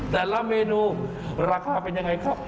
แต่ละเมนูราคาเป็นยังไงครับ